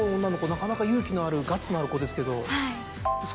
なかなか勇気のあるガッツのある子ですけど。